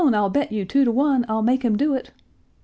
I'll bet you two to one I'll make him do it!"